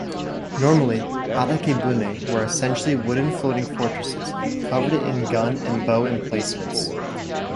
Normally, "adakebune" were essentially wooden floating fortresses, covered in gun and bow emplacements.